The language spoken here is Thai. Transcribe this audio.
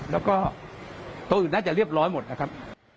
แล้วก็ตัวอื่นน่าจะเรียบร้อยหมดนะครับ